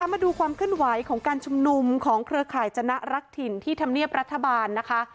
มาดูความเคลื่อนไหวของการชุมนุมของเครือข่ายจนะรักถิ่นที่ธรรมเนียบรัฐบาลนะคะ